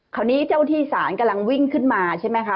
คราวนี้เจ้าที่ศาลกำลังวิ่งขึ้นมาใช่ไหมคะ